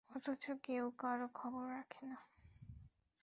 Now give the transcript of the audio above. অথচ কেউ কারো খবর রাখে না।